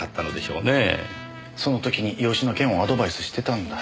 その時に養子の件をアドバイスしてたんだ。